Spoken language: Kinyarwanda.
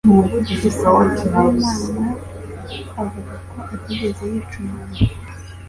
Dusabemana avuga ko atigeze yica umuntu.